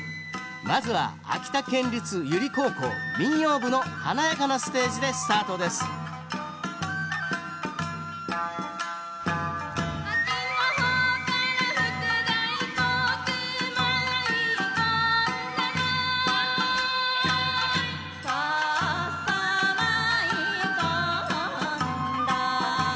まずは秋田県立由利高校民謡部の華やかなステージでスタートですさあ